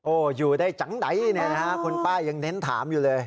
โอ้โหอยู่ได้จังใดเนี่ยนะฮะคุณป้ายังเน้นถามอยู่เลย